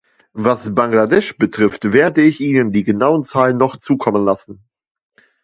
Was Bangladesh betrifft, werde ich Ihnen die genauen Zahlen noch zukommen lassen.